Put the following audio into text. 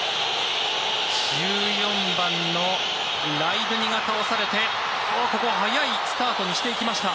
１４番のライドゥニが倒されてここは早いスタートにしていきました。